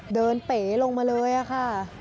เดินเป๋ลลงมาเลยอะคะ